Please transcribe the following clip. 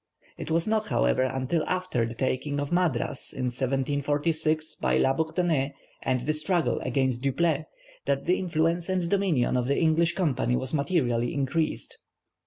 It was not, however, until after the taking of Madras, in 1746, by La Bourdonnais, and the struggle against Dupleix, that the influence and dominion of the English Company was materially increased.